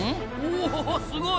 おおすごい！